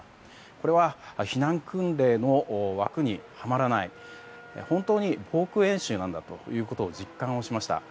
これは避難訓練の枠にはまらない本当に防空演習なんだと実感しました。